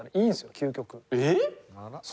究極。